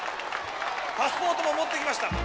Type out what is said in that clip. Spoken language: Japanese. パスポートも持ってきました。